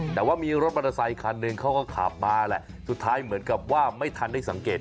แต่ว่ามีรถมอเตอร์ไซคันหนึ่งเขาก็ขับมาแหละสุดท้ายเหมือนกับว่าไม่ทันได้สังเกต